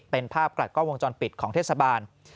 เป็นภาพจากกล้องวงจรปิดของเทศบาล